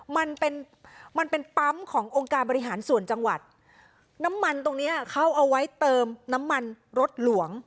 มันเป็นมันเป็นปั๊มขององค์การบริหารส่วนจังหวัดน้ำมันตรงเนี้ยเขาเอาไว้เติมน้ำมันรถหลวง